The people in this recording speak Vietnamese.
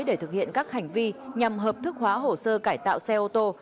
để thực hiện các hành vi nhằm hợp thức hóa hồ sơ cải tạo xe ô tô